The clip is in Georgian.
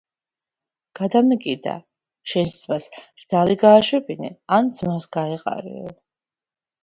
გადამეკიდა შენს ძმას რძალი გააშვებინე ან ძმას გაეყარეო